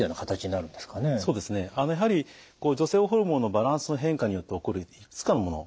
やはり女性ホルモンのバランスの変化によって起こるいくつかのもの